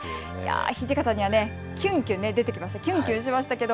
土方にはきゅんきゅんしましたけど。